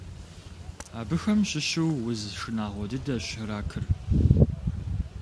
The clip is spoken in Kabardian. Абыхэм щыщу уз шынагъуэ дыдэщ ракыр.